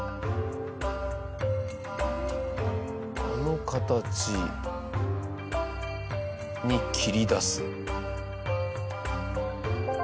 あの形に切り出す。